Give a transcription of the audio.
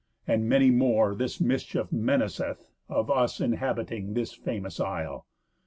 And many more this mischief menaceth Of us inhabiting this famous isle.